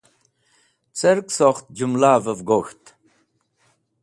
Cẽr sokht jumlavẽv gok̃ht?